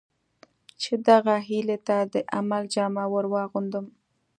چې دغه هیلې ته د عمل جامه ور واغوندم.